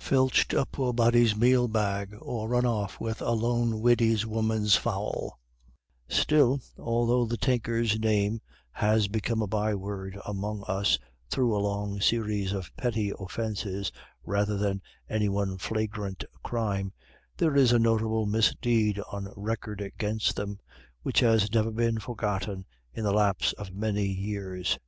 THE WIDOW JOYCE'S CLOAK From 'Strangers at Lisconnel' Still, although the Tinkers' name has become a byword among us through a long series of petty offenses rather than any one flagrant crime, there is a notable misdeed on record against them, which has never been forgotten in the lapse of many years.